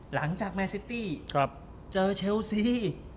หลังจากแมนซิตตี้เจอเชลซี